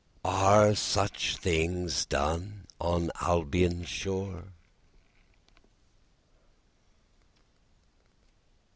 Are such things done on Albion's shore?